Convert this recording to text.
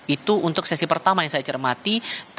itu untuk sesi pertama yang saya cermati